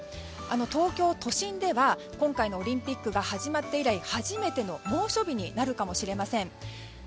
東京都心では、今回のオリンピックが始まって以来初めての猛暑日になるかもしれません。